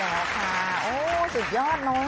โอ้สุดยอดเนอะ